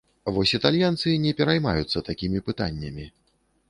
Вось італьянцы не пераймаюцца такімі пытаннямі.